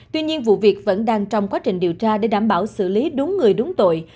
tuy nhiên vụ việc vẫn đang trong quá trình điều tra để đảm bảo xử lý đúng người đúng tội